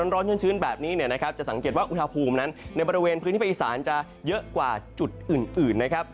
ร้อนชื้นแบบนี้เนี่ยนะครับจะสังเกตว่าอุณหภูมินั้นในบริเวณพื้นที่ภาคอีสานจะเยอะกว่าจุดอื่นนะครับ